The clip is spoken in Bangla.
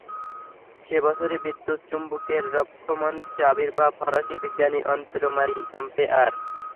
সে বছরই বিদ্যুৎ চুম্বকের রঙ্গমঞ্চে আবির্ভাব ফরাসি বিজ্ঞানী আন্দ্রে মারি অ্যাম্পেয়ার।